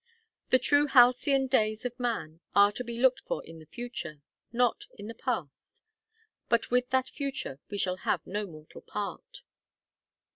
The true halcyon days of man are to be looked for in the future not in the past; but with that future we shall have no mortal part.